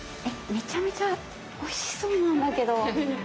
めちゃめちゃおいしそうなんだけど。